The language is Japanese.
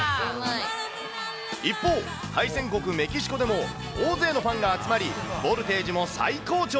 一方、対戦国、メキシコでも大勢のファンが集まり、ボルテージも最高潮。